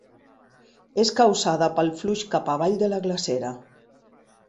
És causada pel flux cap avall de la glacera.